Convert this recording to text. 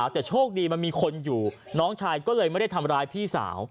แต่โชคดีมันมีคนอยู่น้องชายก็เลยไม่ได้ทำร้ายพี่สาว